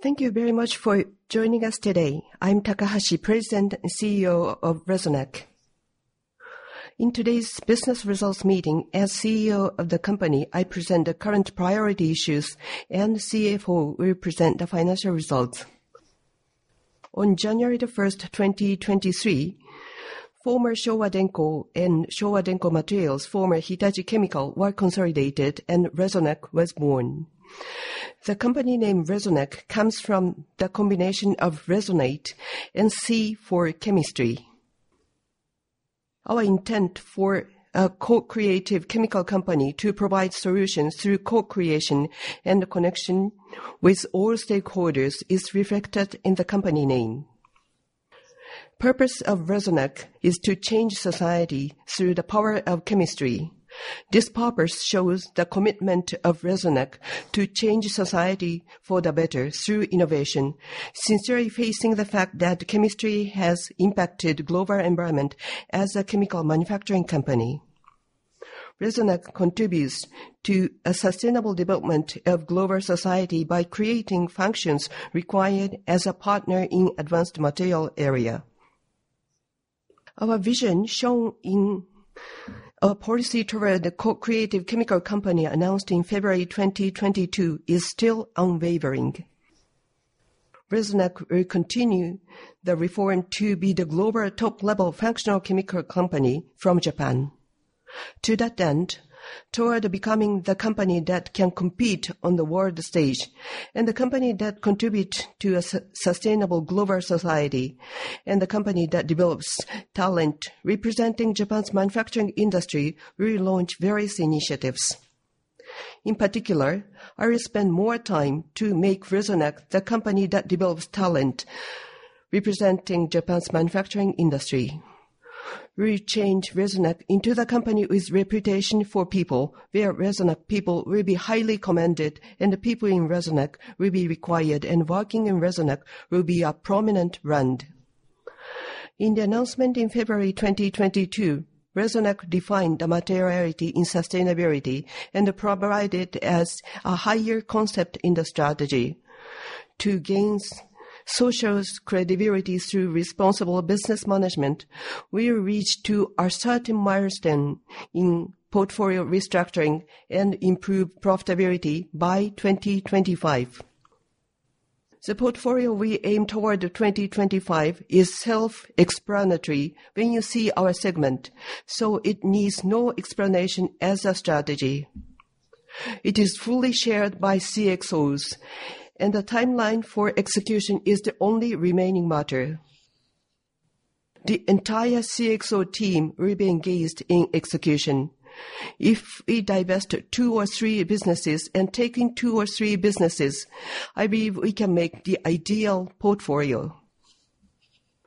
Thank you very much for joining us today. I'm Takahashi, President and CEO of Resonac. In today's business results meeting, as CEO of the company, I present the current priority issues, and the CFO will present the financial results. On January 1st, 2023, former Showa Denko and Showa Denko Materials, former Hitachi Chemical, were consolidated, and Resonac was born. The company name Resonac comes from the combination of resonate and C for chemistry. Our intent for a Co-creative Chemical Company to provide solutions through co-creation and connection with all stakeholders is reflected in the company name. Purpose of Resonac is to change society through the power of chemistry. This purpose shows the commitment of Resonac to change society for the better through innovation. Sincerely facing the fact that chemistry has impacted global environment as a chemical manufacturing company. Resonac contributes to a sustainable development of global society by creating functions required as a partner in advanced material area. Our vision shown in our policy toward the Co-creative Chemical Company announced in February 2022, is still unwavering. Resonac will continue the reform to be the global top-level functional chemical company from Japan. To that end, toward becoming the company that can compete on the world stage, and the company that contribute to a sustainable global society, and the company that develops talent representing Japan's manufacturing industry, we launch various initiatives. In particular, I will spend more time to make Resonac the company that develops talent representing Japan's manufacturing industry. We change Resonac into the company with reputation for people, where Resonac people will be highly commended, and the people in Resonac will be required, and working in Resonac will be a prominent brand. In the announcement in February 2022, Resonac defined the materiality in sustainability and provided as a higher concept in the strategy. To gain social credibility through responsible business management, we will reach to a certain milestone in portfolio restructuring and improve profitability by 2025. The portfolio we aim toward 2025 is self-explanatory when you see our segment, so it needs no explanation as a strategy. It is fully shared by CxOs, and the timeline for execution is the only remaining matter. The entire CxO team will be engaged in execution. If we divest two or three businesses and taking two or three businesses, I believe we can make the ideal portfolio.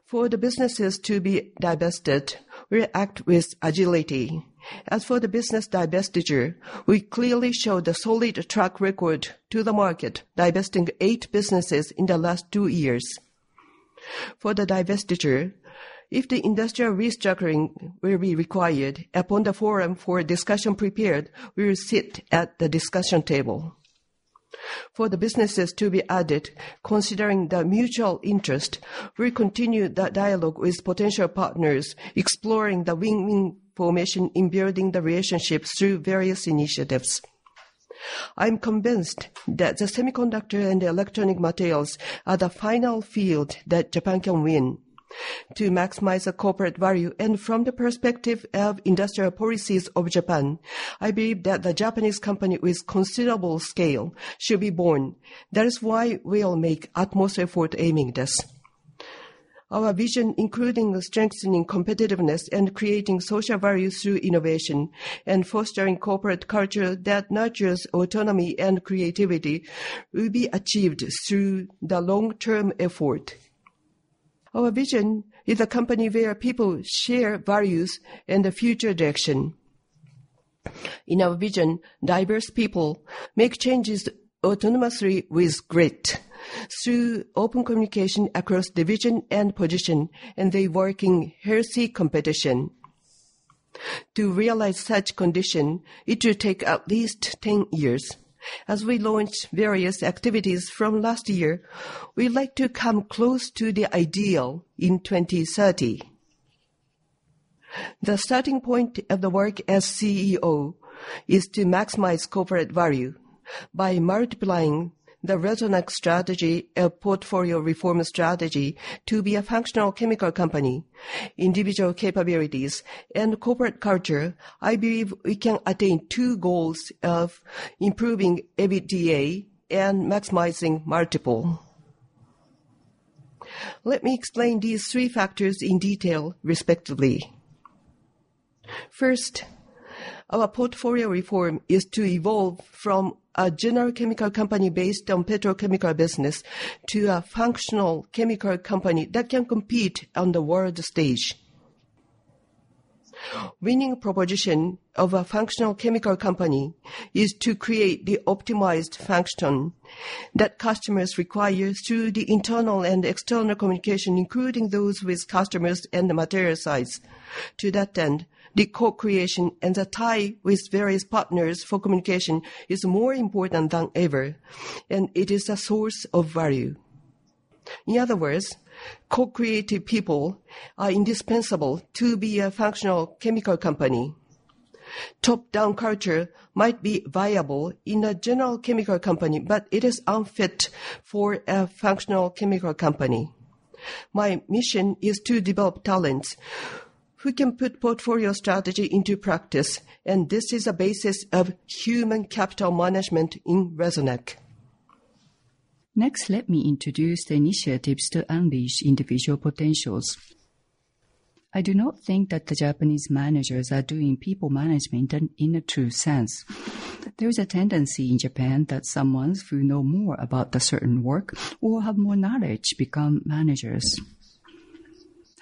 For the businesses to be divested, we'll act with agility. As for the business divestiture, we clearly show the solid track record to the market, divesting eight businesses in the last two years. For the divestiture, if the industrial restructuring will be required, upon the forum for discussion prepared, we will sit at the discussion table. For the businesses to be added, considering the mutual interest, we continue that dialogue with potential partners, exploring the win-win formation in building the relationships through various initiatives. I'm convinced that the semiconductor and electronic materials are the final field that Japan can win to maximize the corporate value. From the perspective of industrial policies of Japan, I believe that the Japanese company with considerable scale should be born. That is why we all make utmost effort aiming this. Our vision, including the strengthening competitiveness and creating social value through innovation and fostering corporate culture that nurtures autonomy and creativity, will be achieved through the long-term effort. Our vision is a company where people share values in the future direction. In our vision, diverse people make changes autonomously with grit through open communication across division and position, and they work in healthy competition. To realize such condition, it will take at least 10 years. As we launch various activities from last year, we like to come close to the ideal in 2030. The starting point of the work as CEO is to maximize corporate value. By multiplying the Resonac strategy of portfolio reform strategy to be a functional chemical company, individual capabilities, and corporate culture, I believe we can attain 2 goals of improving EBITDA and maximizing multiple. Let me explain these 3 factors in detail respectively. Our portfolio reform is to evolve from a general chemical company based on petrochemical business, to a functional chemical company that can compete on the world stage. Winning proposition of a functional chemical company is to create the optimized function that customers require through the internal and external communication, including those with customers and the material science. To that end, the co-creation and the tie with various partners for communication is more important than ever, and it is a source of value. Co-creative people are indispensable to be a functional chemical company. Top-down culture might be viable in a general chemical company, but it is unfit for a functional chemical company. My mission is to develop talent. Who can put portfolio strategy into practice, and this is a basis of human capital management in Resonac. Let me introduce the initiatives to unleash individual potentials. I do not think that the Japanese managers are doing people management in a true sense. There is a tendency in Japan that someone who knows more about certain work or has more knowledge becomes managers.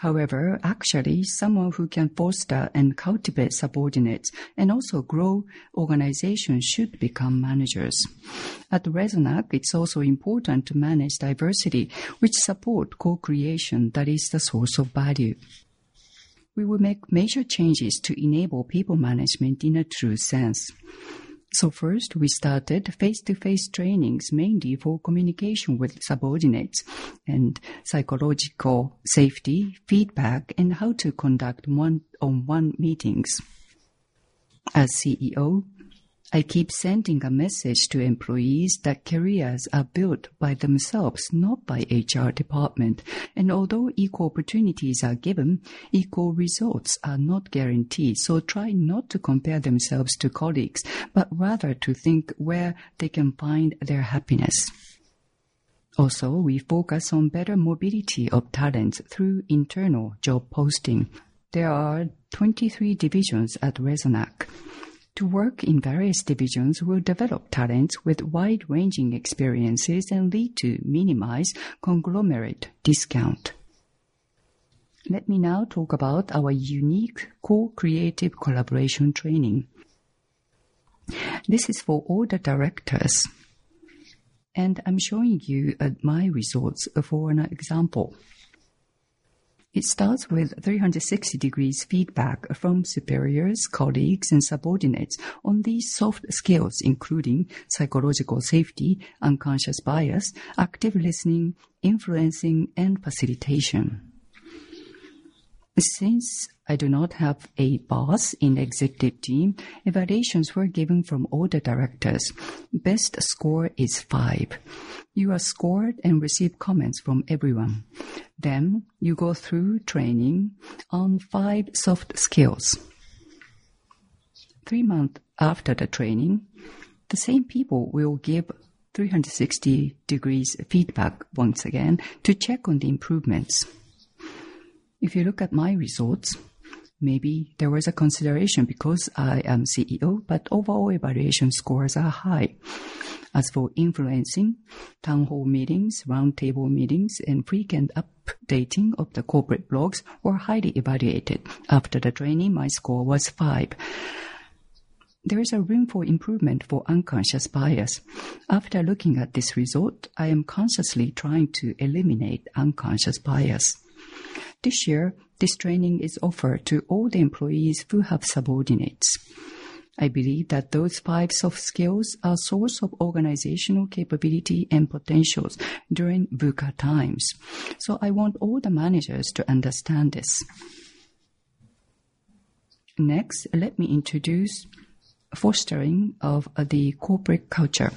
Actually, someone who can foster and cultivate subordinates and also grow organizations should become managers. At Resonac, it is also important to manage diversity, which supports co-creation that is the source of value. We will make major changes to enable people management in a true sense. First, we started face-to-face trainings, mainly for communication with subordinates and psychological safety, feedback, and how to conduct one-on-one meetings. As CEO, I keep sending a message to employees that careers are built by themselves, not by HR department. Although equal opportunities are given, equal results are not guaranteed. Try not to compare themselves to colleagues, but rather to think where they can find their happiness. We focus on better mobility of talent through internal job posting. There are 23 divisions at Resonac. To work in various divisions will develop talent with wide-ranging experiences and lead to minimize conglomerate discount. Let me now talk about our unique co-creative collaboration training. This is for all the directors, and I am showing you my results for an example. It starts with 360-degree feedback from superiors, colleagues, and subordinates on these soft skills, including psychological safety, unconscious bias, active listening, influencing, and facilitation. Since I do not have a boss in the executive team, evaluations were given from all the directors. Best score is five. You are scored and receive comments from everyone. You go through training on five soft skills. Three months after the training, the same people will give 360-degree feedback once again to check on the improvements. If you look at my results, maybe there was a consideration because I am CEO, overall evaluation scores are high. As for influencing, town hall meetings, roundtable meetings, and frequent updating of the corporate blogs were highly evaluated. After the training, my score was five. There is room for improvement for unconscious bias. After looking at this result, I am consciously trying to eliminate unconscious bias. This year, this training is offered to all the employees who have subordinates. I believe that those five soft skills are source of organizational capability and potentials during VUCA times. I want all the managers to understand this. Next, let me introduce fostering of the corporate culture.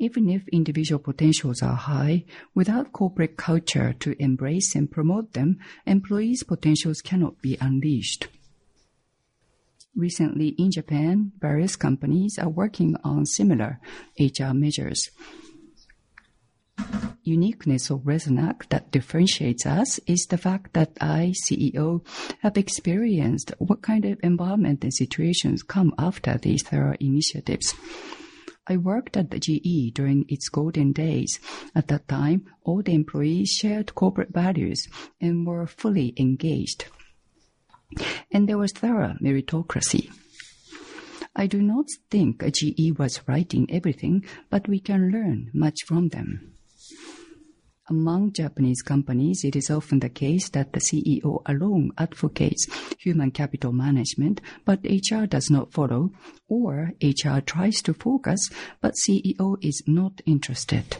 Even if individual potentials are high, without corporate culture to embrace and promote them, employees' potentials cannot be unleashed. Recently in Japan, various companies are working on similar HR measures. Uniqueness of Resonac that differentiates us is the fact that I, CEO, have experienced what kind of environment and situations come after these thorough initiatives. I worked at GE during its golden days. At that time, all the employees shared corporate values and were fully engaged. There was thorough meritocracy. I do not think GE was right in everything, we can learn much from them. Among Japanese companies, it is often the case that the CEO alone advocates human capital management, HR does not follow, or HR tries to focus, CEO is not interested.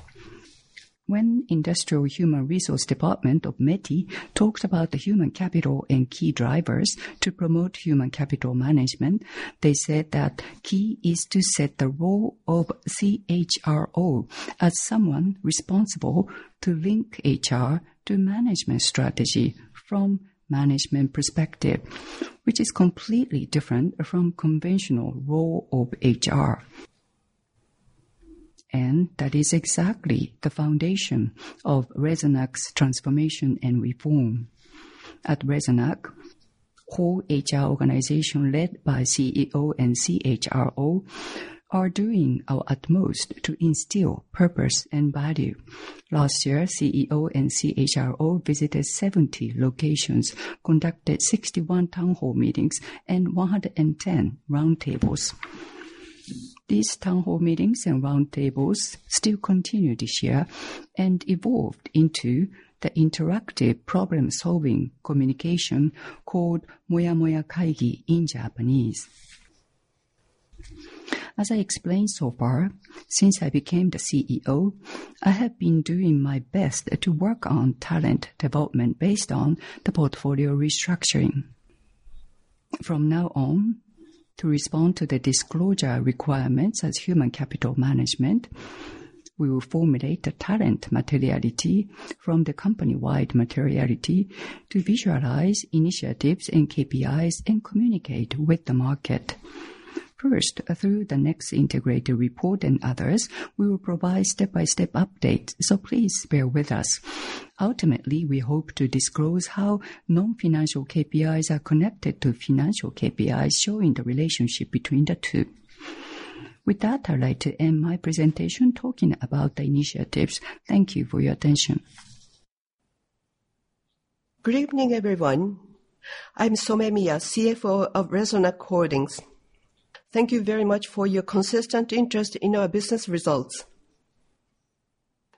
When Industrial Human Resource Department of METI talks about the human capital and key drivers to promote human capital management, they said that key is to set the role of CHRO as someone responsible to link HR to management strategy from management perspective, which is completely different from conventional role of HR. That is exactly the foundation of Resonac's transformation and reform. At Resonac, whole HR organization led by CEO and CHRO are doing our utmost to instill purpose and value. Last year, CEO and CHRO visited 70 locations, conducted 61 town hall meetings and 110 roundtables. These town hall meetings and roundtables still continue this year and evolved into the interactive problem-solving communication called Moya Moya Kaigi in Japanese. As I explained so far, since I became the CEO, I have been doing my best to work on talent development based on the portfolio restructuring. From now on, to respond to the disclosure requirements as human capital management, we will formulate a talent materiality from the company-wide materiality to visualize initiatives and KPIs and communicate with the market. First, through the next integrated report and others, we will provide step-by-step updates, please bear with us. Ultimately, we hope to disclose how non-financial KPIs are connected to financial KPIs, showing the relationship between the two. With that, I'd like to end my presentation talking about the initiatives. Thank you for your attention. Good evening, everyone. I'm Somemiya, CFO of Resonac Holdings. Thank you very much for your consistent interest in our business results.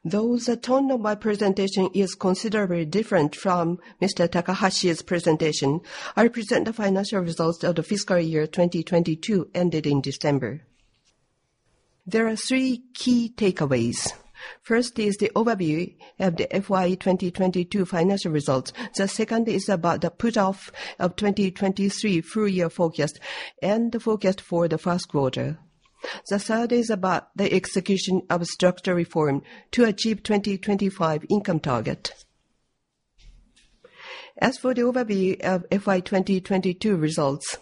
Though the tone of my presentation is considerably different from Mr. Takahashi's presentation, I present the financial results of the fiscal year 2022 ended in December. There are three key takeaways. First is the overview of the FY 2022 financial results. Second is about the put off of 2023 full-year forecast and the forecast for the first quarter. Third is about the execution of structure reform to achieve 2025 income target. As for the overview of FY 2022 results,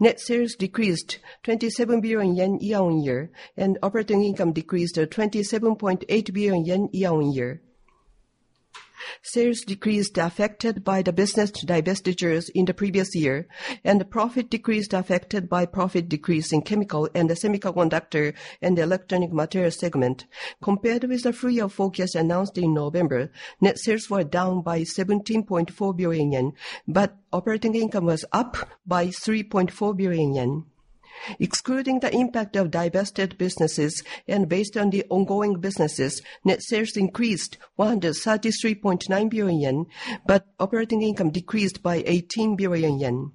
net sales decreased 27 billion yen year-on-year, and operating income decreased to 27.8 billion yen year-on-year. Sales decreased affected by the business divestitures in the previous year. The profit decreased affected by profit decrease in chemical and the semiconductor and electronic material segment. Compared with the full-year forecast announced in November, net sales were down by 17.4 billion yen. Operating income was up by 3.4 billion yen. Excluding the impact of divested businesses and based on the ongoing businesses, net sales increased 133.9 billion yen. Operating income decreased by 18 billion yen.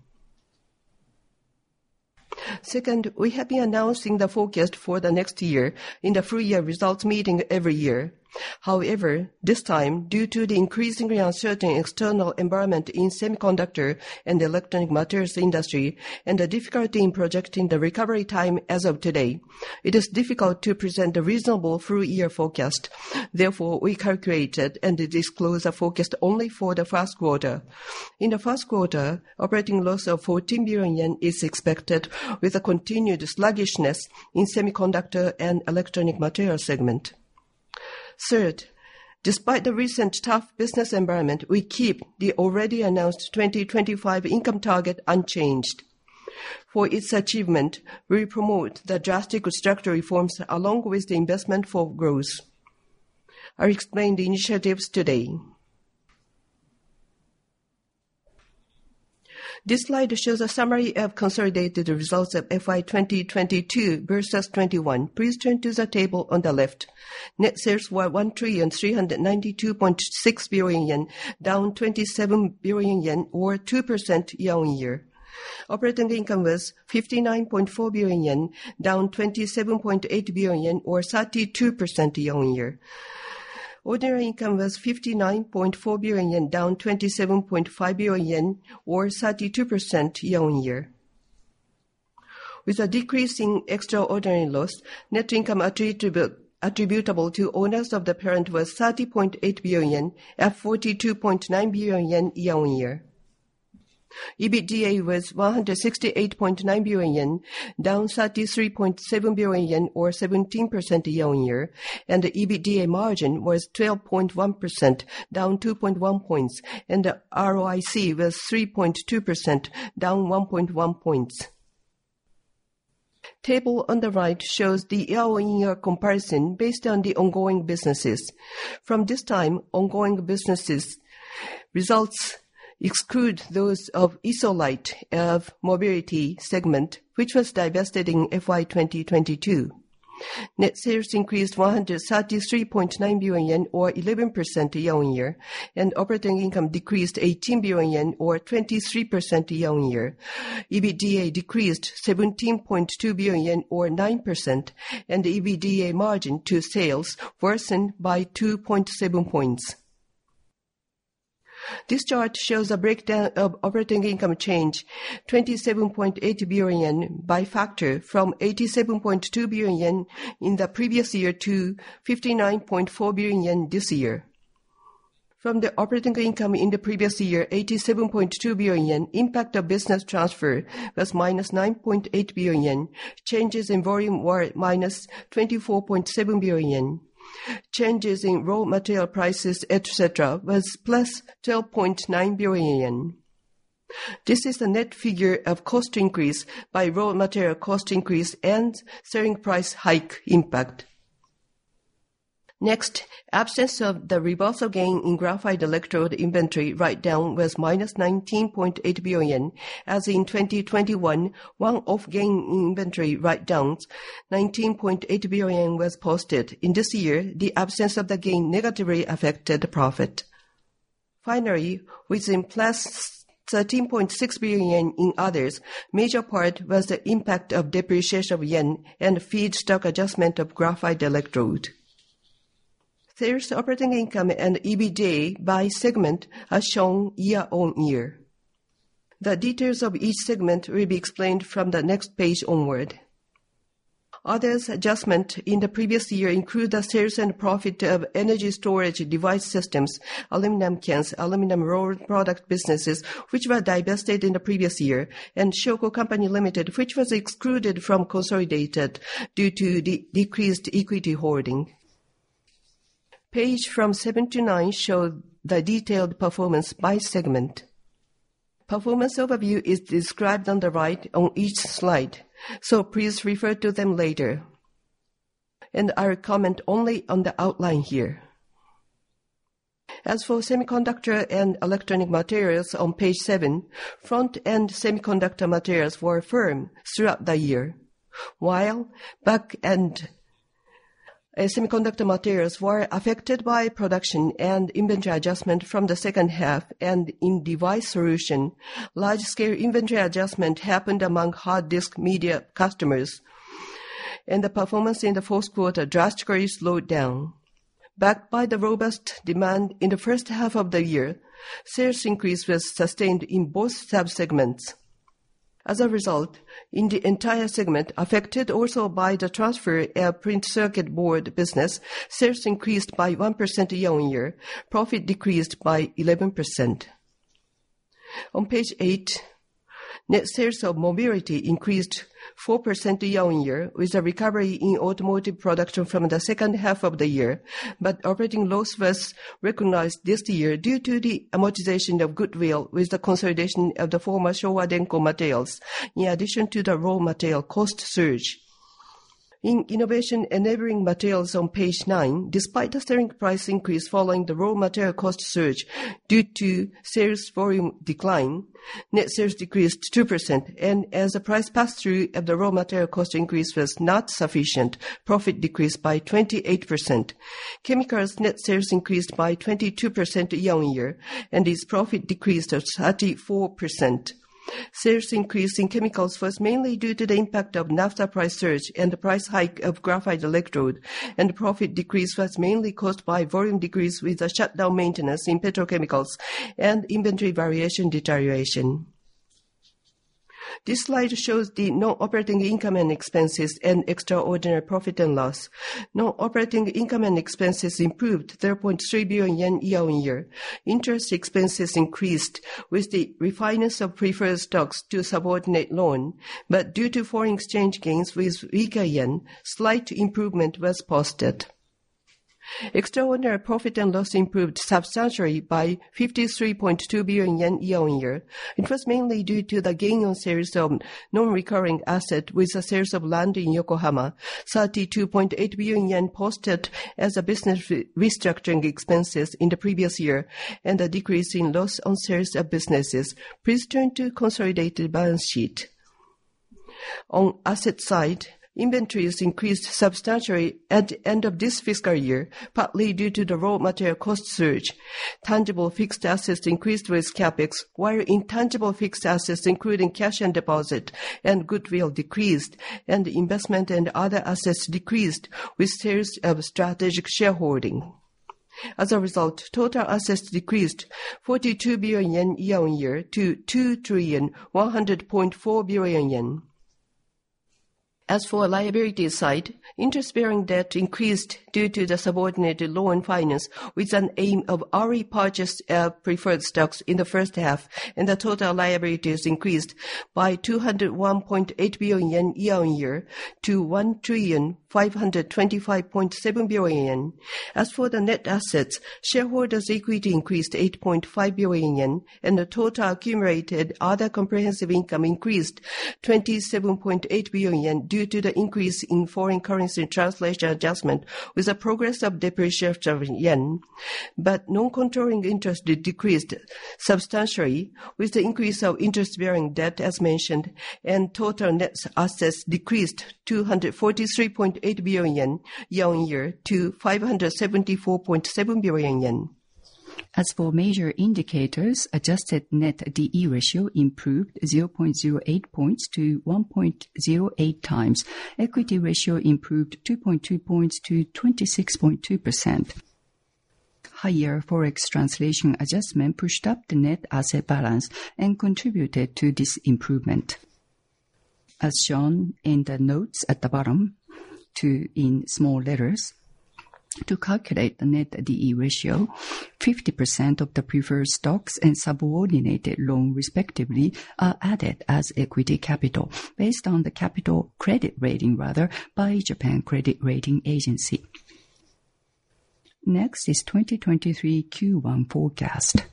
Second, we have been announcing the forecast for the next year in the full year results meeting every year. This time, due to the increasingly uncertain external environment in semiconductor and electronic materials industry and the difficulty in projecting the recovery time as of today, it is difficult to present a reasonable full year forecast. We calculated and disclosed a forecast only for the first quarter. In the first quarter, operating loss of 14 billion yen is expected with a continued sluggishness in semiconductor and electronic material segment. Third, despite the recent tough business environment, we keep the already announced 2025 income target unchanged. For its achievement, we promote the drastic structural reforms along with the investment for growth. I explained the initiatives today. This slide shows a summary of consolidated results of FY 2022 versus FY 2021. Please turn to the table on the left. Net sales were 1.392 trillion, down 27 billion yen or 2% year-on-year. Operating income was 59.4 billion yen, down 27.8 billion yen or 32% year-on-year. Ordinary income was 59.4 billion yen, down 27.5 billion yen or 32% year-on-year. With a decrease in extraordinary loss, net income attributable to owners of the parent was 30.8 billion, at 42.9 billion yen year-on-year. EBITDA was 168.9 billion yen, down 33.7 billion yen or 17% year-on-year. The EBITDA margin was 12.1%, down 2.1 points. The ROIC was 3.2%, down 1.1 points. Table on the right shows the year-on-year comparison based on the ongoing businesses. From this time, ongoing businesses results exclude those of ISOLITE of Mobility segment, which was divested in FY 2022. Net sales increased 133.9 billion yen or 11% year-on-year. Operating income decreased 18 billion yen or 23% year-on-year. EBITDA decreased 17.2 billion yen or 9%. EBITDA margin to sales worsened by 2.7 points. This chart shows a breakdown of operating income change, 27.8 billion yen by factor from 87.2 billion yen in the previous year to 59.4 billion yen this year. From the operating income in the previous year, 87.2 billion yen, impact of business transfer was minus 9.8 billion yen. Changes in volume were minus 24.7 billion yen. Changes in raw material prices, et cetera, was plus 12.9 billion. This is the net figure of cost increase by raw material cost increase and selling price hike impact. Absence of the reversal gain in graphite electrode inventory write down was minus 19.8 billion. As in 2021, one off gain in inventory write downs, 19.8 billion was posted. This year, the absence of the gain negatively affected the profit. Finally, within plus 13.6 billion in others, major part was the impact of depreciation of yen and feedstock adjustment of graphite electrode. Sales, operating income, and EBITDA by segment are shown year-on-year. The details of each segment will be explained from the next page onward. Others adjustment in the previous year include the sales and profit of energy storage device systems, aluminum cans, aluminum rolled product businesses, which were divested in the previous year, and Shoko Company Limited, which was excluded from consolidated due to decreased equity holding. Page from seven to nine show the detailed performance by segment. Performance overview is described on the right on each slide, so please refer to them later. I'll comment only on the outline here. As for semiconductor and electronic materials on page seven, front-end semiconductor materials were firm throughout the year. While back-end semiconductor materials were affected by production and inventory adjustment from the second half, in device solution, large scale inventory adjustment happened among hard disk media customers, and the performance in the fourth quarter drastically slowed down. Backed by the robust demand in the first half of the year, sales increase was sustained in both sub-segments. As a result, in the entire segment affected also by the transfer of printed circuit board business, sales increased by 1% year-on-year. Profit decreased by 11%. On page eight, net sales of Mobility increased 4% year-on-year, with a recovery in automotive production from the second half of the year. Operating loss was recognized this year due to the amortization of goodwill with the consolidation of the former Showa Denko Materials, in addition to the raw material cost surge. In Innovation Enabling Materials on page nine, despite the selling price increase following the raw material cost surge, due to sales volume decline, net sales decreased 2%. As the price pass-through of the raw material cost increase was not sufficient, profit decreased by 28%. Chemicals net sales increased by 22% year-on-year. Its profit decreased at 34%. Sales increase in chemicals was mainly due to the impact of naphtha price surge and the price hike of graphite electrode. Profit decrease was mainly caused by volume decrease with the shutdown maintenance in petrochemicals and inventory valuation deterioration. This slide shows the non-operating income and expenses and extraordinary profit and loss. Non-operating income and expenses improved 3.3 billion yen year-on-year. Interest expenses increased with the refinance of preferred stocks to subordinated loan. Due to foreign exchange gains with weaker yen, slight improvement was posted. Extraordinary profit and loss improved substantially by 53.2 billion yen year-on-year. It was mainly due to the gain on sales of non-recurring asset with the sales of land in Yokohama, 32.8 billion yen posted as business restructuring expenses in the previous year, and a decrease in loss on sales of businesses. Please turn to consolidated balance sheet. On asset side, inventories increased substantially at end of this fiscal year, partly due to the raw material cost surge. Tangible fixed assets increased with CapEx, while intangible fixed assets, including cash and deposit and goodwill, decreased, and investment and other assets decreased with sales of strategic shareholding. As a result, total assets decreased 42 billion yen year-on-year to 2,100.4 billion yen. As for liability side, interest-bearing debt increased due to the subordinated loan finance As for major indicators, adjusted Net DE ratio improved 0.08 points to 1.08 times. Equity ratio improved 2.2 points to 26.2%. Higher Forex translation adjustment pushed up the net asset balance and contributed to this improvement. As shown in the notes at the bottom in small letters, to calculate the Net DE ratio, 50% of the preferred stocks and subordinated loan, respectively, are added as equity capital based on the capital credit rating, rather, by Japan Credit Rating Agency. Next is 2023 Q1 forecast.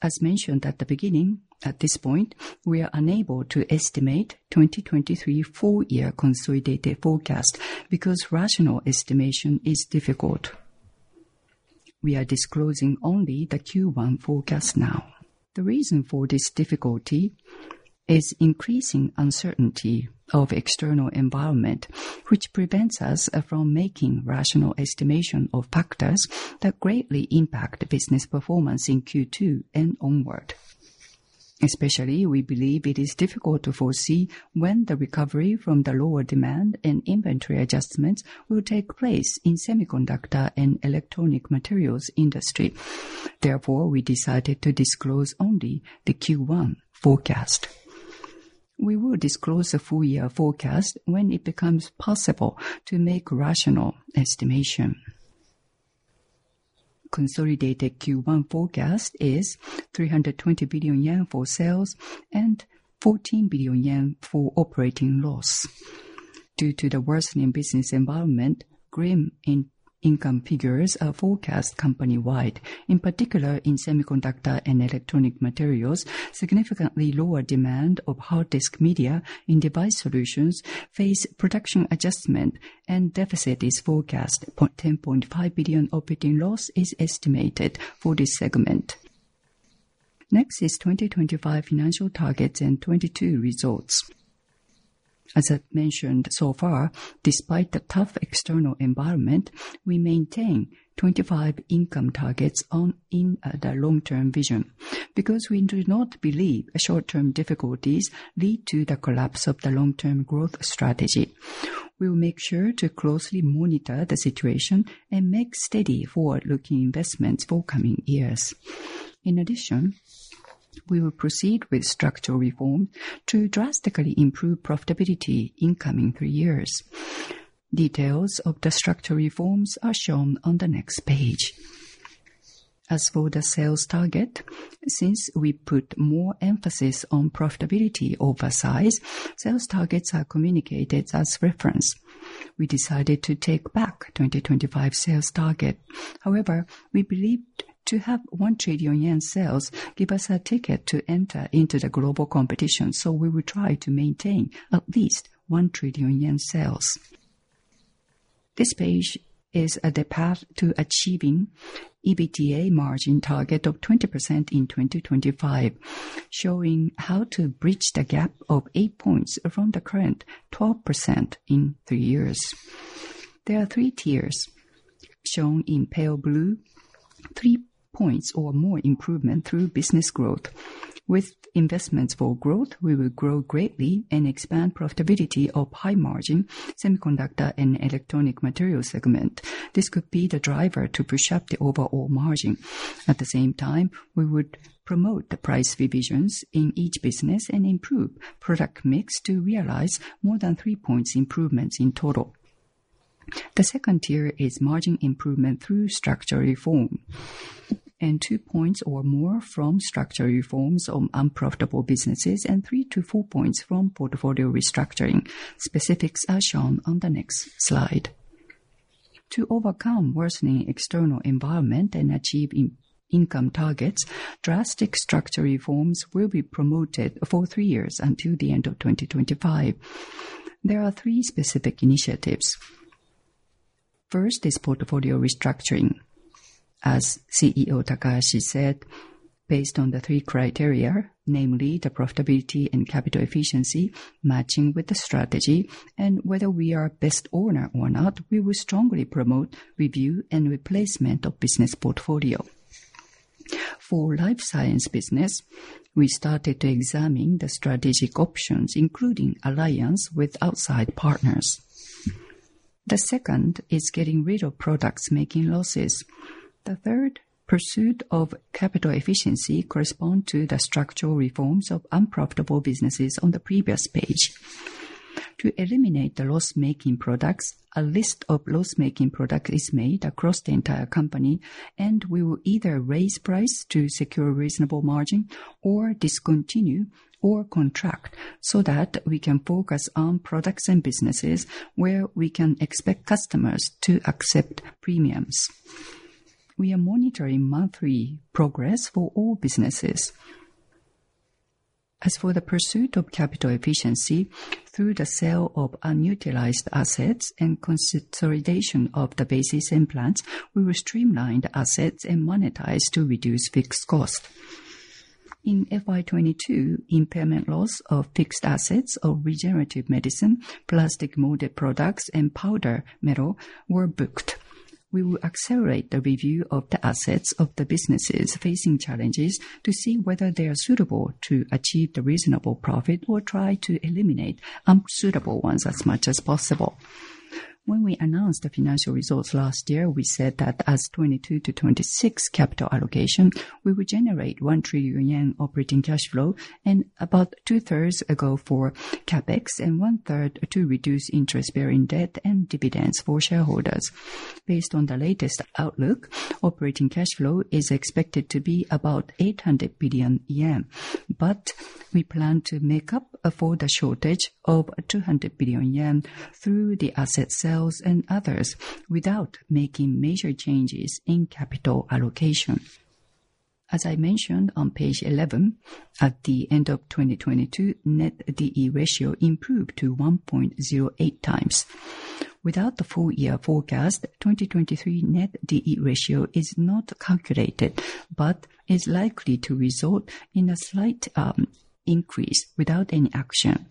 As mentioned at the beginning, at this point, we are unable to estimate 2023 full-year consolidated forecast because rational estimation is difficult. We are disclosing only the Q1 forecast now. The reason for this difficulty is increasing uncertainty of external environment, which prevents us from making rational estimation of factors that greatly impact business performance in Q2 and onward. Especially, we believe it is difficult to foresee when the recovery from the lower demand and inventory adjustments will take place in semiconductor and electronic materials industry. Therefore, we decided to disclose only the Q1 forecast. We will disclose a full year forecast when it becomes possible to make rational estimation. Consolidated Q1 forecast is 320 billion yen for sales and 14 billion yen for operating loss. Due to the worsening business environment, grim income figures are forecast company-wide, in particular in semiconductor and electronic materials, significantly lower demand of hard disk media in Device Solutions face production adjustment and deficit is forecast. 10.5 billion operating loss is estimated for this segment. Next is 2025 financial targets and 2022 results. As I've mentioned so far, despite the tough external environment, we maintain 2025 income targets in the long-term vision. We do not believe short-term difficulties lead to the collapse of the long-term growth strategy. We will make sure to closely monitor the situation and make steady forward-looking investments for coming years. In addition, we will proceed with structural reform to drastically improve profitability in coming three years. Details of the structural reforms are shown on the next page. As for the sales target, since we put more emphasis on profitability over size, sales targets are communicated as reference. We decided to take back 2025 sales target. However, we believe to have 1 trillion yen sales give us a ticket to enter into the global competition, so we will try to maintain at least 1 trillion yen sales. This page is the path to achieving EBITDA margin target of 20% in 2025, showing how to bridge the gap of eight points from the current 12% in three years. There are 3 tiers. Shown in pale blue, three points or more improvement through business growth. With investments for growth, we will grow greatly and expand profitability of high margin semiconductor and electronic materials segment. This could be the driver to push up the overall margin. At the same time, we would promote the price revisions in each business and improve product mix to realize more than three points improvements in total. The second tier is margin improvement through structural reform, and two points or more from structural reforms of unprofitable businesses, and three to four points from portfolio restructuring. Specifics are shown on the next slide. To overcome worsening external environment and achieve income targets, drastic structural reforms will be promoted for three years until the end of 2025. There are three specific initiatives. First is portfolio restructuring. As CEO Takahashi said, based on the three criteria, namely the profitability and capital efficiency, matching with the strategy, and whether we are best owner or not, we will strongly promote review and replacement of business portfolio. For Life Science business, we started examining the strategic options, including alliance with outside partners. The second is getting rid of products making losses. The third, pursuit of capital efficiency, correspond to the structural reforms of unprofitable businesses on the previous page. To eliminate the loss-making products, a list of loss-making product is made across the entire company, and we will either raise price to secure reasonable margin or discontinue or contract so that we can focus on products and businesses where we can expect customers to accept premiums. We are monitoring monthly progress for all businesses. As for the pursuit of capital efficiency through the sale of unutilized assets and consolidation of the bases and plants, we will streamline the assets and monetize to reduce fixed cost. In FY 2022, impairment loss of fixed assets of regenerative medicine, plastic molded products, and powder metal products were booked. We will accelerate the review of the assets of the businesses facing challenges to see whether they are suitable to achieve the reasonable profit or try to eliminate unsuitable ones as much as possible. When we announced the financial results last year, we said that as 2022 to 2026 capital allocation, we would generate 1 trillion yen operating cash flow and about two-thirds go for CapEx and one-third to reduce interest-bearing debt and dividends for shareholders. Based on the latest outlook, operating cash flow is expected to be about 800 billion yen. We plan to make up for the shortage of 200 billion yen through the asset sales and others without making major changes in capital allocation. As I mentioned on page 11, at the end of 2022, net DE ratio improved to 1.08 times. Without the full year forecast, 2023 net DE ratio is not calculated, but is likely to result in a slight increase without any action.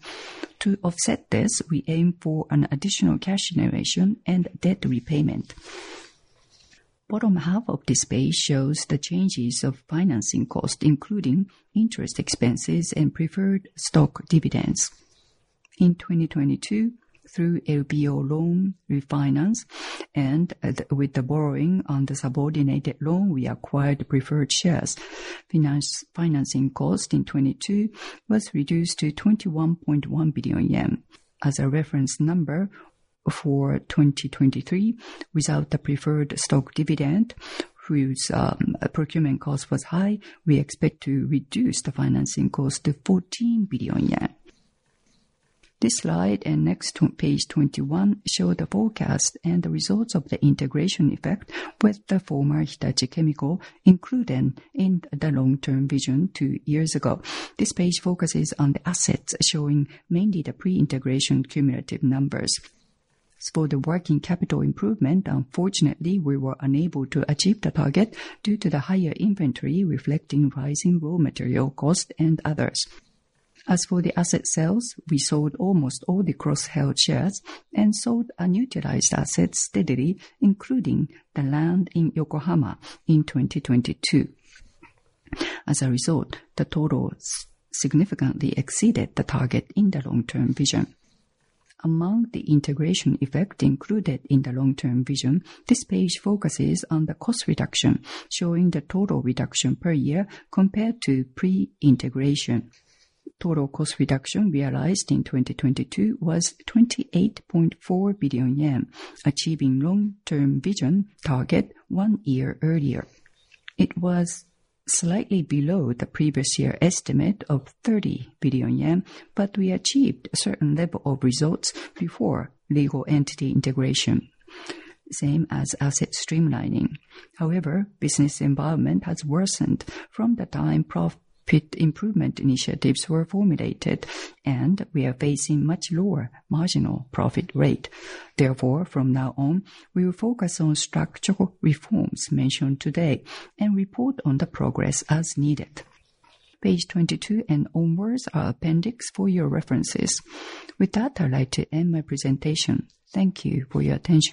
To offset this, we aim for an additional cash generation and debt repayment. Bottom half of this page shows the changes of financing cost, including interest expenses and preferred stock dividends. In 2022, through LBO loan refinance and with the borrowing on the subordinated loan, we acquired preferred shares. Financing cost in 2022 was reduced to 21.1 billion yen. As a reference number for 2023, without the preferred stock dividend, whose procurement cost was high, we expect to reduce the financing cost to 14 billion yen. This slide and next, page 21, show the forecast and the results of the integration effect with the former Hitachi Chemical included in the long-term vision two years ago. This page focuses on the assets, showing mainly the pre-integration cumulative numbers. As for the working capital improvement, unfortunately we were unable to achieve the target due to the higher inventory, reflecting rising raw material cost and others. As for the asset sales, we sold almost all the cross-held shares and sold unutilized assets steadily, including the land in Yokohama in 2022. As a result, the totals significantly exceeded the target in the long-term vision. Among the integration effect included in the long-term vision, this page focuses on the cost reduction, showing the total reduction per year compared to pre-integration. Total cost reduction realized in 2022 was 28.4 billion yen, achieving long-term vision target one year earlier. It was slightly below the previous year estimate of 30 billion yen. We achieved a certain level of results before legal entity integration, same as asset streamlining. Business environment has worsened from the time profit improvement initiatives were formulated, and we are facing much lower marginal profit rate. From now on, we will focus on structural reforms mentioned today and report on the progress as needed. Page 22 and onwards are appendix for your references. With that, I'd like to end my presentation. Thank you for your attention.